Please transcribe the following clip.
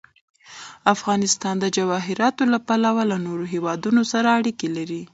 افغانستان د جواهرات له پلوه له نورو هېوادونو سره اړیکې لري.